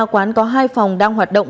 quán có hai phòng đang hoạt động